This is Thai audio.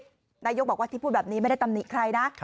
นายกบอกว่าที่พูดแบบนี้ไม่ได้ตำหนิใครนะ